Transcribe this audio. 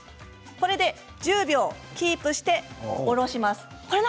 これで１０秒キープして下ろします。